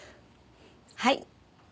はい。